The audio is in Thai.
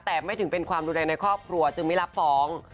แต่ไม่ถึงเป็นความรุนแรงในครอบครัวจึงไม่รับฟ้อง